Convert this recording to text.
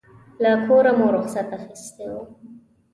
له کوره مو رخصت اخیستی و.